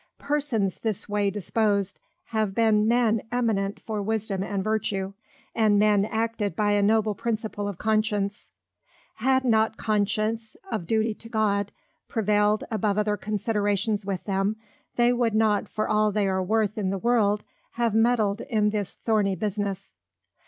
Persons this way disposed have been Men eminent for Wisdom and Vertue, and Men acted by a noble Principle of Conscience: Had not Conscience (of Duty to God) prevailed above other Considerations with them, they would not for all they are worth in the World have medled in this Thorny business.